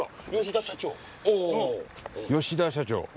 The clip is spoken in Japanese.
吉田社長。